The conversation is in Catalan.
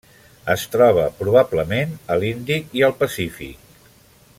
Es troba, probablement, a l'Índic i al Pacífic.